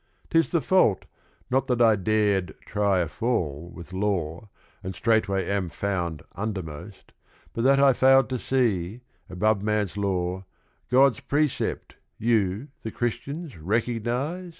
'T is the fault, not that I dared try a fall With Law and straightway am found undermost, But that I failed to see, above man's law, God's precept you, the Christians, recognize?